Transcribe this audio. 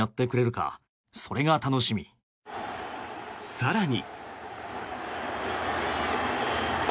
更に。